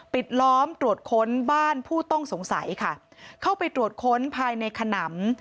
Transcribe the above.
ปิดล้อมตรวจค้นบ้านผู้ต้องสงสัยค่ะเข้าไปตรวจค้นภายในขนำ